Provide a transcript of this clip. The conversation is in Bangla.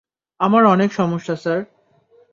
আমার অনেক সমস্যা, স্যার।